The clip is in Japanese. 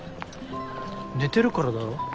寝てるからだろ。